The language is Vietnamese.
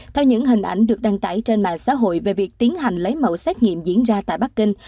theo những hình ảnh được đăng tải trên mạng xã hội về việc tiến hành lấy mẫu xét nghiệm diễn ra tại bắc kinh